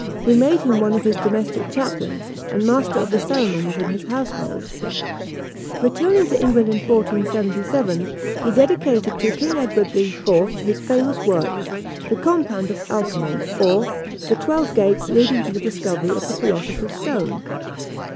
who made him one of his domestic chaplains, and master of the ceremonies in his household. Returning to England in 1477, he dedicated to King Edward IV. his famous work, The Compound of Alchymy; or, the Twelve Gates leading to the Discovery of the Philosopher's Stone.